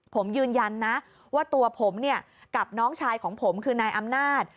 ผมยืนยันนะว่าตัวผมเนี่ยกับน้องชายของผมคือนายอำนาจ